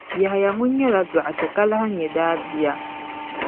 Yahaya ŋun nyɛla dɔɣitɛ ka lahi nya daa bia.